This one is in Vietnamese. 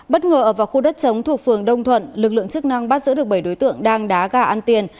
bất ngờ ở vào khu đất chống thuộc phường đông thuận lực lượng chức năng bắt giữ được bảy đối tượng đang đá gà ăn tiền